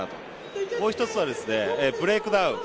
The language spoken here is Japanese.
もう１つは、ブレイクダウン。